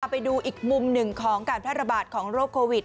ไปดูอีกมุมหนึ่งของการแพร่ระบาดของโรคโควิด